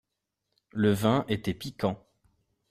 Le vin était piquant.